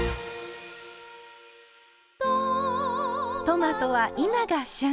トマトは今が旬。